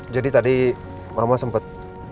jadi tadi mama sempet